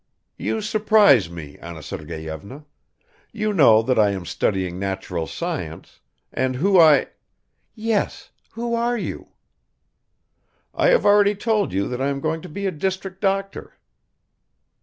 "You surprise me, Anna Sergeyevna. You know, that I am studying natural science and who I ..." "Yes, who are you?" "I have already told you that I am going to be a district doctor."